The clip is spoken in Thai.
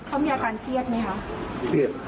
เขามีอาการเทียดไหมครับ